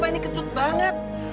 kamu apa ini kecut banget